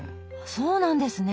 そうなんですね。